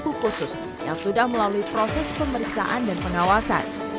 dikaitkan dengan pengawasan dan pemeriksaan